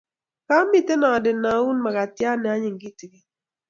kamite andenaun makatiat neanyiny kitigin